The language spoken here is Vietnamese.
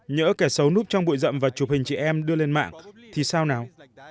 nhớ kẻ xấu núp trong bụi rậm và chụp hình chị em đưa lên mạng thì sao nào